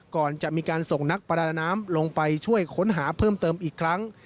ก่อนจะมีการส่งนักประดาน้ำลงไปช่วยค้นหาเพิ่มเติมอีกครั้ง